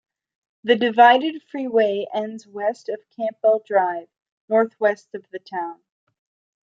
The divided freeway ends west of Campbell Drive, northwest of the town.